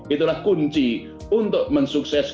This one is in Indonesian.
itulah kunci untuk mensukses